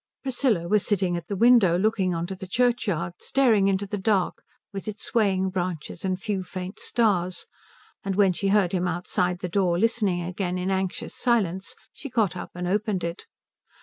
Priscilla was sitting at the window looking on to the churchyard, staring into the dark with its swaying branches and few faint stars, and when she heard him outside the door listening again in anxious silence she got up and opened it.